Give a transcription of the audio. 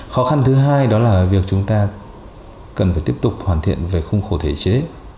khó khăn thứ hai đó là việc chúng ta cần phải tiếp tục hoàn thiện về khung khổ thể chế